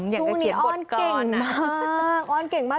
ให้สูรีออนเก่งมาก